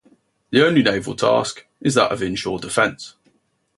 The only naval task is that of inshore defense.